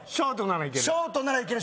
ショートならいける？